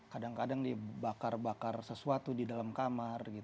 kadang kadang dia bakar bakar sesuatu di dalam kamar